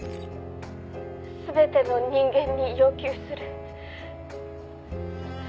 「全ての人間に要求する」